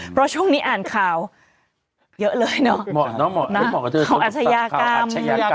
เพราะช่วงนี้อ่านข่าวเยอะเลยเนาะของอาชญากรรม